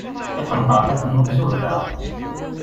Tiqenṭert-a temmug s ublaḍ.